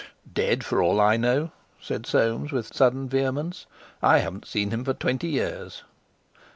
"Dead, for all I know," said Soames, with sudden vehemence. "I haven't seen him for twenty years."